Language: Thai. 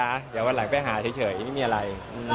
เดี๋ยววันหลังไปหาเฉยไม่มีอะไร